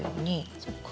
そっか。